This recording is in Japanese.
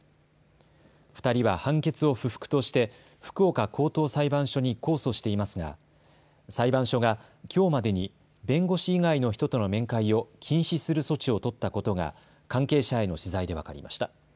２人は判決を不服として福岡高等裁判所に控訴していますが裁判所がきょうまでに弁護士以外の人との面会を禁止する措置を取ったことが関係者への取材で分かりました。